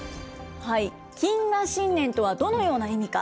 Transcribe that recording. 謹賀新年とはどのような意味か。